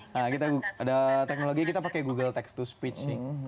nah kita ada teknologi kita pakai google text to speech sih